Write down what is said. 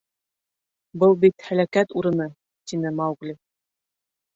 — Был бит һәләкәт урыны! — тине Маугли.